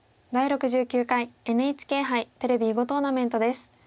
「第６９回ＮＨＫ杯テレビ囲碁トーナメント」です。